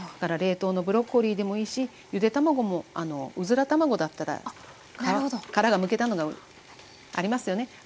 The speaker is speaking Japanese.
冷凍のブロッコリーでもいいしゆで卵もあのうずら卵だったら殻がむけたのがありますよね。